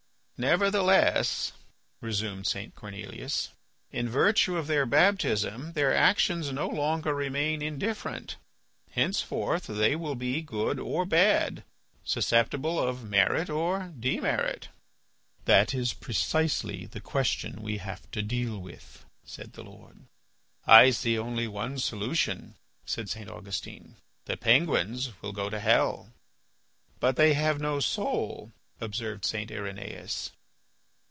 "Nevertheless," resumed St. Cornelius, "in virtue of their baptism their actions no longer remain indifferent. Henceforth they will be good or bad, susceptible of merit or of demerit." "That is precisely the question we have to deal with," said the Lord. "I see only one solution," said St. Augustine. "The penguins will go to hell." "But they have no soul," observed St. Irenaeus.